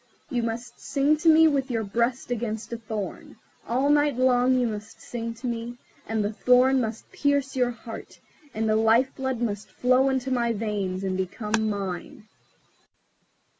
You must sing to me with your breast against a thorn. All night long you must sing to me, and the thorn must pierce your heart, and your life blood must flow into my veins, and become mine."